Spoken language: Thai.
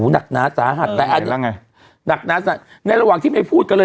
หนักหนาสาหัสเออแล้วไงหนักหนาสาหัสในระหว่างที่ไม่พูดกันเลย